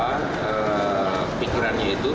yang terpikirannya itu